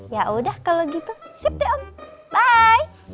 ya udah kalau gitu siap deh om bye